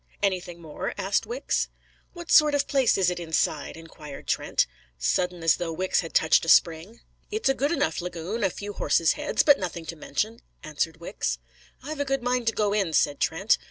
"Anything more?" asked Wicks. "What sort of a place is it inside?" inquired Trent, sudden as though Wicks had touched a spring. "It's a good enough lagoon a few horses' heads, but nothing to mention," answered Wicks. "I've a good mind to go in," said Trent.